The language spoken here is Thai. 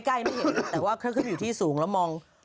ใกล้ไม่เห็นแต่ว่าเข้าขึ้นอยู่ที่สูงแล้วมอง